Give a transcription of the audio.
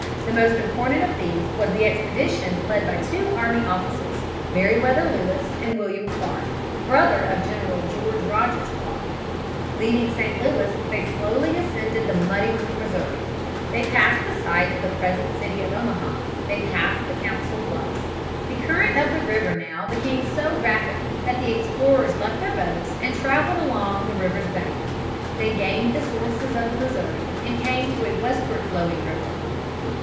The most important of these was the expedition led by two army officers, Meriwether Lewis and William Clark, brother of General George Rogers Clark (p. 116). Leaving St. Louis they slowly ascended the muddy Missouri. They passed the site of the present city of Omaha. They passed the Council Bluffs. The current of the river now became so rapid that the explorers left their boats and traveled along the river's bank. They gained the sources of the Missouri, and came to a westward flowing river.